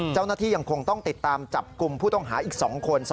ยังคงต้องติดตามจับกลุ่มผู้ต้องหาอีก๒คน